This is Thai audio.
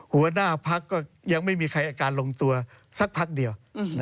หัวหน้าพักก็ยังไม่มีใครอาการลงตัวสักพักเดียว